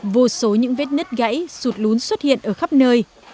vô số những vết nứt gãy sụt lún xuất hiện ở khắp nơi